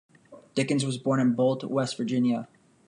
Dickens was born in Bolt, West Virginia.